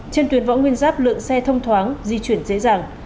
trên tuyến võ nguyên giáp lượng xe thông thoáng di chuyển dễ dàng